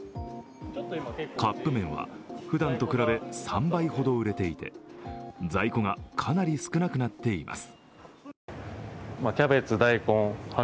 カップめんは、ふだんと比べ３倍ほど売れていて在庫がかなり少なくなっています。